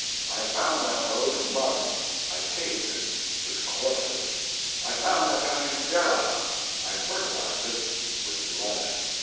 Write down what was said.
I found that road mud, I paved it with corpses. I found that country sterile, I fertilized it with blood.